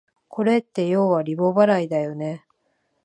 これってようはリボ払いだよね